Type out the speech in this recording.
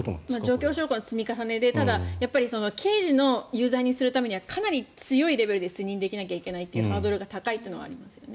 状況証拠の積み重ねでただ、刑事の有罪にするためにはかなり強いレベルで推認できないといけないというハードルが高いというのはありますよね。